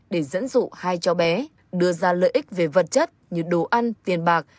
để dẫn dụ hai cháu bé đưa ra lợi ích về vật chất như đồ ăn tiền bạc